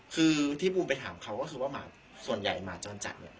คือที่บูมไปถามเขาก็คือว่าหมาส่วนใหญ่หมาจรจัดเนี่ย